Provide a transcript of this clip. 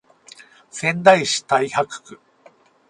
仙台市太白区